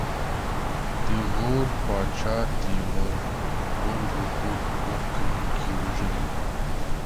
د غور پاچا د تیمور ټول رپوټ ورکوونکي وژلي دي.